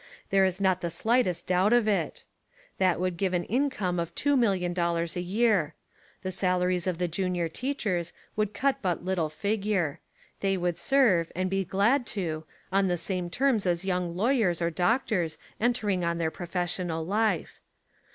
There is not the slightest doubt of it. That would give 183 Essays and Literary Studies an income of two million dollars a year. The salaries of the junior teachers would cut but lit tle figure. They would serve, and be glad to, on the same terms as young lawyers or doctors entering on their professional life.